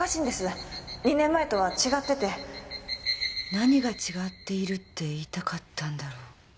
何が違っているって言いたかったんだろう？